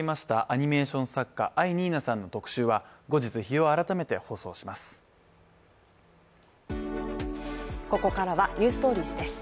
アニメーション作家、藍にいなさんの特集は後日、日を改めて放送します。